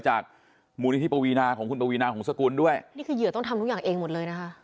จากมูลนิธิปวีนาของคุณปวีนาหงษกุลด้วยนี่คือเหยื่อต้องทำทุกอย่างเองหมดเลยนะคะ